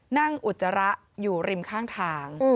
อุจจาระอยู่ริมข้างทาง